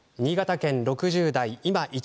新潟県６０代。